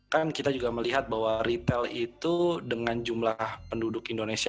kan kita juga melihat bahwa retail itu dengan jumlah penduduk indonesia